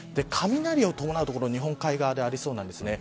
雷を伴う所日本海側でありそうです。